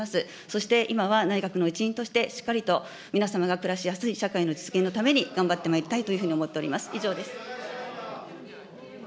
そして今は内閣の一員として、しっかりと皆様が暮らしやすい社会の実現のために頑張ってまいりたいというふうに思っております、以上です。